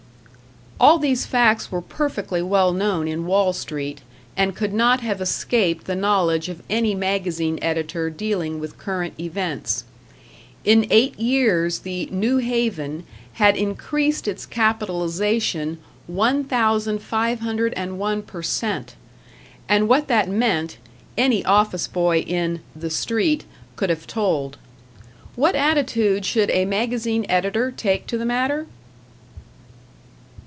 All these facts were perfectly well known in Wall Street, and could not have escaped the knowledge of any magazine editor dealing with current events. In eight years the "New Haven" had increased its capitalization 1501 per cent; and what that meant, any office boy in "the Street" could have told. What attitude should a magazine editor take to the matter?